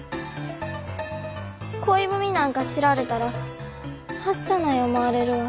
恋文なんか知られたらはしたない思われるわ。